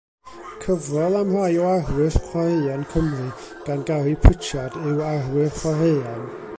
Cyfrol am rai o arwyr chwaraeon Cymru gan Gary Pritchard yw Arwyr Chwaraeon.